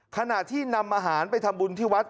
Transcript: ขณะที่นำอาหารไปทำบุญที่วัด